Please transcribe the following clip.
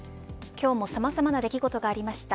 今日もさまざま出来事がありました。